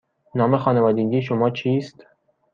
نام خانوادگی شما چیست؟